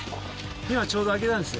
今ちょうど揚げたんですね。